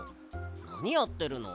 なにやってるの？